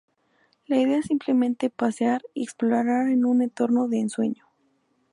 La idea es simplemente pasear y explorar en un entorno de ensueño.